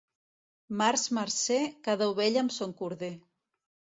Març marcer, cada ovella amb son corder.